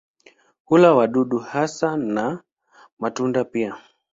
Hula wadudu hasa na matunda pia.